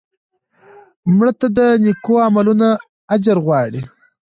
مړه ته د نیکو عملونو اجر غواړو